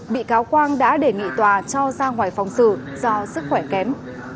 bị cáo quang đã đề nghị tòa cho ra ngoài phòng xử do sức khỏe kém